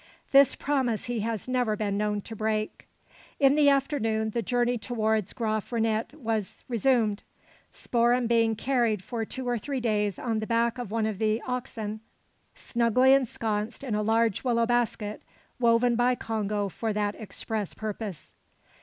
This promise he has never been known to break. In the afternoon, the journey towards Graaf Reinet was resumed. Spoor'em being carried for two or three days on the back of one of the oxen, snugly ensconced in a large willow basket, woven by Congo for that express purpose.